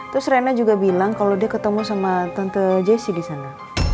terus rena juga bilang kalau dia ketemu sama tante jesse di sana